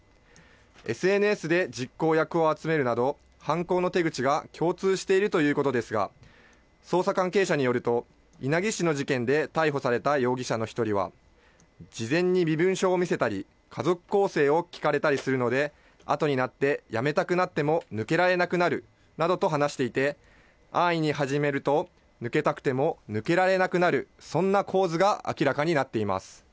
ＳＮＳで実行役を集めるなど、犯行の手口が共通しているということですが、捜査関係者によると、稲城市の事件で逮捕された容疑者の１人は、事前に身分証を見せたり、家族構成を聞かれたりするので、あとになってやめたくなっても抜けられなくなるなどと話していて、安易に始めると抜けたくても抜けられなくなる、そんな構図が明らかになっています。